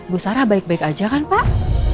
bu sarah baik baik aja kan pak